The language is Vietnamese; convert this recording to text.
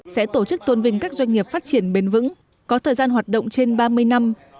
sẽ tổ chức tôn vinh các doanh nghiệp phát triển bền vững có thời gian hoạt động trên ba mươi năm